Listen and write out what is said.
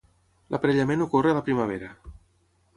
L'aparellament ocorre a la primavera.